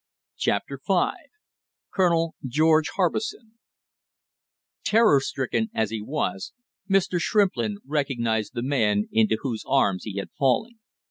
CHAPTER FIVE COLONEL GEORGE HARBISON Terror stricken as he was, Mr. Shrimplin recognized the man into whose arms he had fallen.